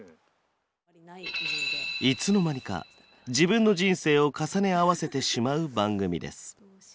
いつの間にか自分の人生を重ね合わせてしまう番組です。